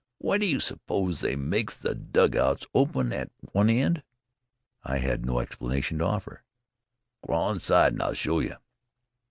"W'y do you suppose they makes the dugouts open at one end?" I had no explanation to offer. "Crawl inside an' I'll show you."